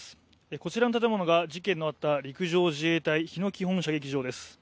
こちらの建物が事件のあった陸上自衛隊日野基本射撃場です。